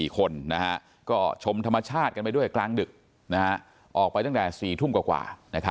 ๔คนก็ชมธรรมชาติกันไปด้วยกลางดึกออกไปตั้งแต่๔ทุ่มกว่า